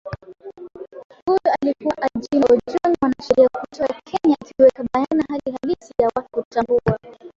huyu alikuwa ajina ojwang mwanasheria kutoka kenya akiweka bayana hali halisi ya watu kutambua